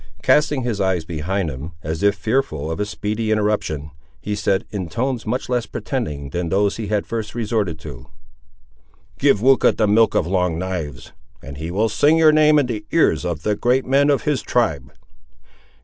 Casting his eyes behind him, as if fearful of a speedy interruption, he said, in tones much less pretending than those he had first resorted to— "Give Weucha the milk of the Long knives, and he will sing your name in the ears of the great men of his tribe."